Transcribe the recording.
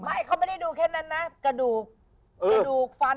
ไม่เขาไม่ได้ดูเท่าไหร่อะ